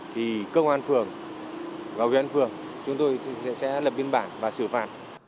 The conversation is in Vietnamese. thì cơ quan phường giao viên phường chúng tôi sẽ lập biên bản và xử phạt